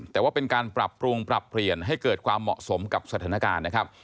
แต่ว่าเป็นการปรับปรุงปรับเปลี่ยนให้เกิดความเหมาะสมกับสถานการณ์นะครับ